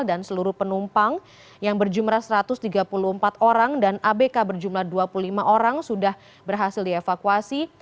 dan seluruh penumpang yang berjumlah satu ratus tiga puluh empat orang dan abk berjumlah dua puluh lima orang sudah berhasil dievakuasi